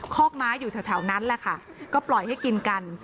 คอกม้าอยู่แถวนั้นแหละค่ะก็ปล่อยให้กินกัน